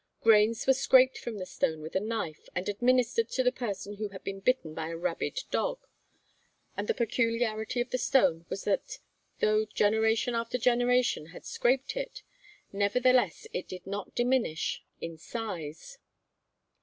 Grains were scraped from the stone with a knife, and administered to the person who had been bitten by a rabid dog; and a peculiarity of the stone was that though generation after generation had scraped it, nevertheless it did not diminish in size.